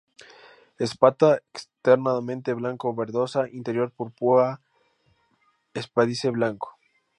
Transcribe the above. Espata, externamente blanco-verdosa; interior purpúreo; espádice blanco.